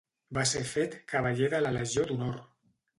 Va ser fet cavaller de la legió d'honor.